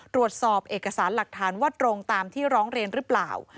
ตรวจสอบเอกสารหลักฐานว่าตรงตามที่ร้องเรียนหรือเปล่า